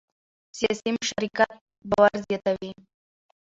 سیاسي مشارکت باور زیاتوي